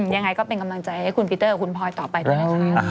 ยังไงก็เป็นกำลังใจให้คุณปีเตอร์กับคุณพลอยต่อไปด้วยนะคะ